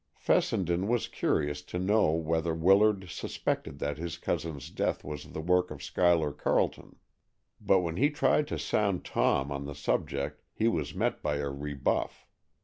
Fessenden was curious to know whether Willard suspected that his cousin's death was the work of Schuyler Carleton. But when he tried to sound Tom on the subject he was met by a rebuff.